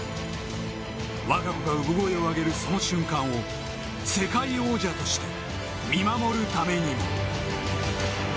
我が子が産声を上げるその瞬間を世界王者として見守るためにも。